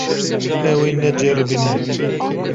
Ew ê neceribîne.